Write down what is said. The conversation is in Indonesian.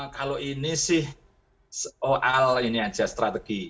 kalau ini sih soal ini aja strategi